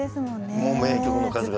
もう名曲の数々。